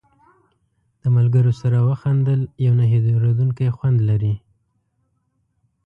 د ملګرو سره وخندل یو نه هېرېدونکی خوند لري.